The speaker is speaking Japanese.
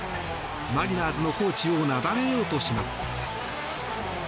マリナーズのコーチをなだめようとします。